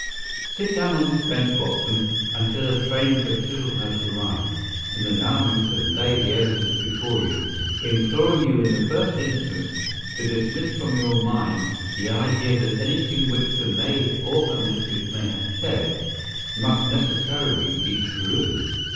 Sit down on this bench, Watson, until a train for Chiselhurst arrives, and allow me to lay the evidence before you, imploring you in the first instance to dismiss from your mind the idea that anything which the maid or her mistress may have said must necessarily be true.